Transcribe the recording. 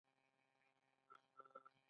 کاناډا د پوهنې اداره لري.